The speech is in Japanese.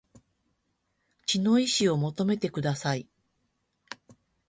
血の遺志を求めてください